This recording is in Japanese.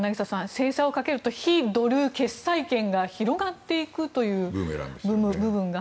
制裁をかけると非ドル決済圏が広がっていく部分が。